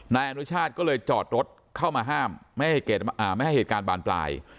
นายอนุชาติก็เลยจอดรถเข้ามาห้ามไม่ให้เหตุการณ์บานปลาย